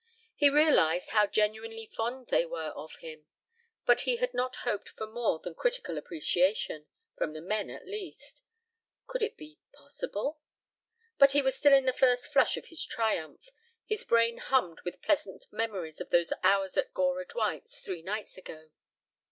He realized how genuinely fond they were of him, but he had not hoped for more than critical appreciation, from the men, at least. Could it be possible ... But he was still in the first flush of his triumph, his brain hummed with pleasant memories of those hours at Gora Dwight's, three nights ago.